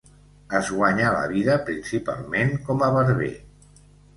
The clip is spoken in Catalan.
Es guanyà la vida principalment com a barber.